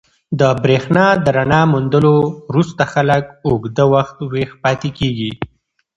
د برېښنا د رڼا موندلو وروسته خلک اوږده وخت ویښ پاتې کېږي.